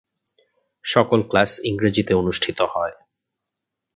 সকল ক্লাস ইংরেজিতে অনুষ্ঠিত হয়।